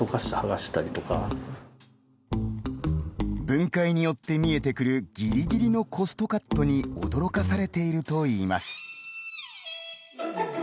分解によって見えてくるぎりぎりのコストカットに驚かされているといいます。